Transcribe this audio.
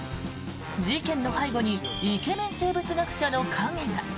事件の背後にイケメン生物学者の影が。